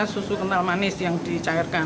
susu kental manis yang dicairkan